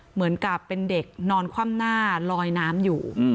เหมือนกับเป็นเด็กนอนคว่ำหน้าลอยน้ำอยู่